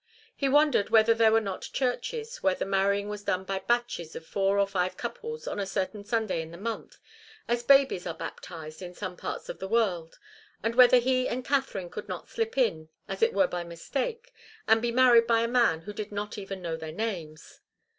He wondered whether there were not churches where the marrying was done by batches of four and five couples on a certain Sunday in the month, as babies are baptized in some parts of the world, and whether he and Katharine could not slip in, as it were by mistake, and be married by a man who did not even know their names.